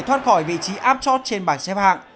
để thoát khỏi vị trí áp trót trên bảng xếp hạng